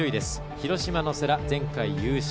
広島の世羅、前回優勝。